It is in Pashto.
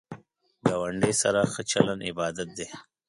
ګاونډی سره ښه چلند عبادت دی